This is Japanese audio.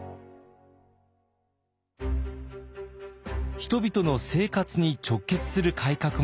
人々の生活に直結する改革も行っています。